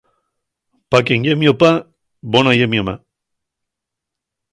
Pa quien ye mio pá, bona ye mio ma.